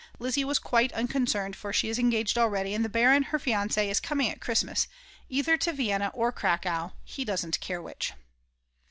Lizzi was quite unconcerned, for she is engaged already, and the Baron, her fiance, is coming at Christmas, either to Vienna or Cracow; he does not care which.